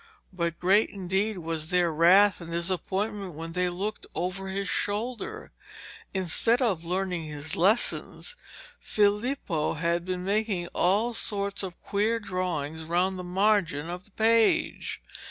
But great indeed was their wrath and disappointment when they looked over his shoulder. Instead of learning his lessons, Filippo had been making all sorts of queer drawings round the margin of the page.